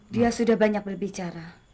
dia sudah banyak berbicara